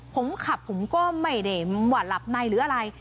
ผมขับผมก็ไม่เห็นหวัดหลับไม่หรืออะไร